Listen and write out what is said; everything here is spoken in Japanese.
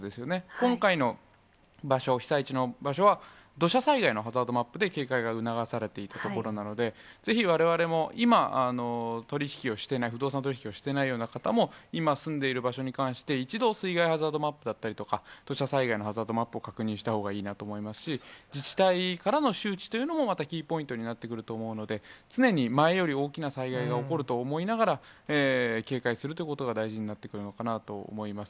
今回の場所、被災地の場所は、土砂災害のハザードマップで警戒が促されていた所なので、ぜひわれわれも、今、取り引きをしていない、不動産取り引きをしていないような方も、今、住んでいる場所に関して、一度、水害ハザードマップだったりとか、土砂災害のハザードマップを確認したほうがいいなと思いますし、自治体からの周知というのも、またキーポイントになってくると思うので、常に前より大きな災害が起こると思いながら、警戒するということが大事になってくるのかなと思います。